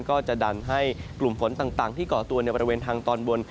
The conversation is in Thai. ก็จะดันให้กลุ่มฝนต่างที่ก่อตัวในบริเวณทางตอนบน